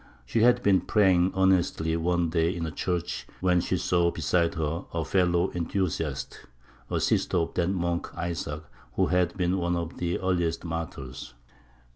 She had been praying earnestly one day in a church, when she saw beside her a fellow enthusiast, a sister of that monk Isaac who had been one of the earliest "martyrs."